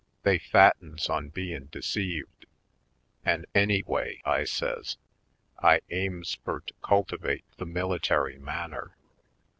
They fattens on bein' deceived. An', any way," I says, "I aims fur to cultivate the military manner.